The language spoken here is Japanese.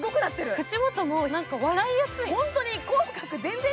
口元も笑いやすい。